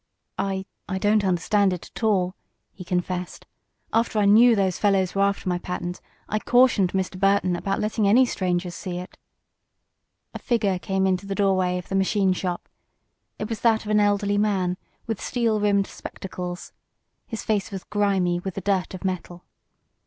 "I I don't understand it all," he confessed. "After I knew those fellows were after my patent I cautioned Mr. Burton about letting any strangers see it." A figure came into the doorway of the machine shop. It was that of an elderly man, with steel rimmed spectacles. His face was grimy with the dirt of metal.